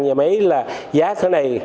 nhà máy là giá thế này